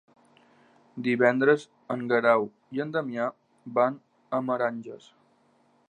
Divendres en Guerau i en Damià van a Meranges.